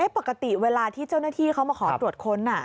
ปกติเวลาที่เจ้าหน้าที่เขามาขอตรวจค้น